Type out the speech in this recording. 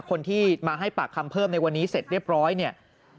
คนที่มาให้ปากคำเพิ่มในวันนี้เสร็จเรียบร้อยเนี่ย